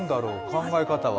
考え方は？